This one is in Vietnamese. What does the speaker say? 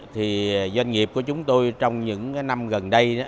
thì doanh nghiệp của chúng tôi trong những năm gần đây